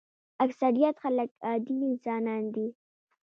اکثریت خلک عادي انسانان دي.